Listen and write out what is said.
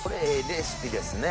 レシピですね。